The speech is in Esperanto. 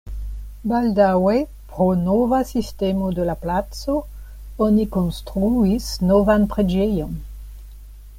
Baldaŭe pro nova sistemo de la placo oni konstruis novan preĝejon.